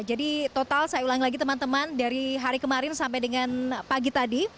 jadi total saya ulangi lagi teman teman dari hari kemarin sampai dengan pagi tadi